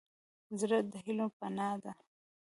زړه د هيلو پناه ده.